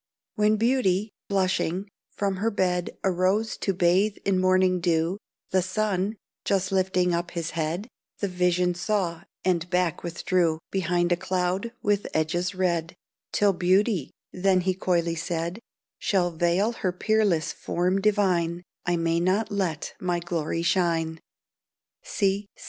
When beauty, blushing, from her bed Arose to bathe in morning dew, The sun, just lifting up his head, The vision saw and back withdrew Behind a cloud, with edges red: "Till beauty," then he coyly said, "Shall veil her peerless form divine I may not let my glory shine."